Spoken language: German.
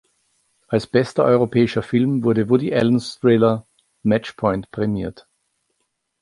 Als Bester europäischer Film wurde Woody Allens Thriller "Match Point" prämiert.